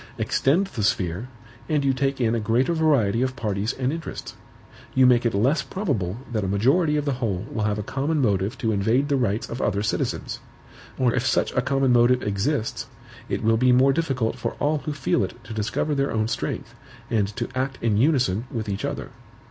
Extend the sphere, and you take in a greater variety of parties and interests; you make it less probable that a majority of the whole will have a common motive to invade the rights of other citizens; or if such a common motive exists, it will be more difficult for all who feel it to discover their own strength, and to act in unison with each other.